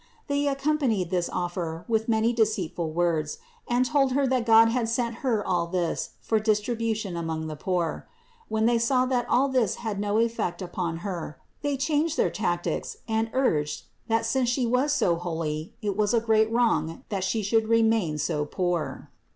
They accompanied this offer with many deceitful words and told Her that God had sent Her all this for distribution among the poor. When they saw that all this had no effect upon Her, they changed their tactics and urged, that since She was so holy, it was a great wrong that She should remain so poor.